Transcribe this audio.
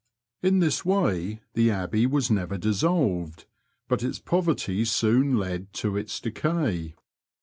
In this way the Abbey was never dissolved, but its poverty soon led to its decay.